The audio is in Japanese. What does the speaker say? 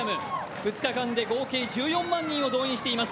２日間で合計１４万人を動員しています。